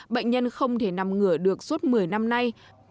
bệnh nhân không thể nằm ngửa được suốt một mươi năm nay